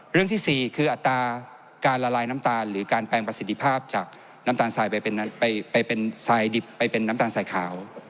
เรื่องที่สี่คืออัตราการละลายน้ำตาลหรือการแปลงประสิทธิภาพจากน้ำตาลสายดิบไปเป็นน้ำตาลสายขาว